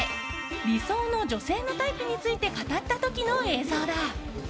理想の女性のタイプについて語った時の映像だ。